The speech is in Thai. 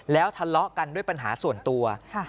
แล้วทะเลาะกันด้วยปัญหาส่วนตัว